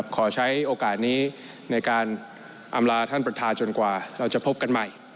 ขอใช้โอกาสนี้ในการอำลาท่านประธานจนกว่าเราจะพบกันใหม่